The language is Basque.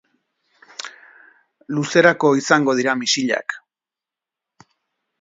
Luzerako izango dira misilak.